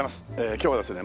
今日はですね